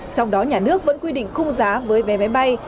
trong đó nhà nước vẫn quy định khung giá với vé máy bay